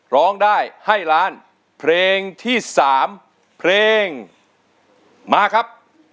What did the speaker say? ร้องได้ให้ล้านเพลงที่๓เพลงมาครับ